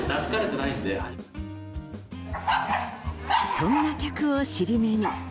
そんな客を尻目に。